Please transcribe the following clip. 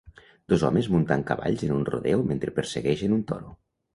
Dos homes muntant cavalls en un rodeo mentre persegeixen un toro.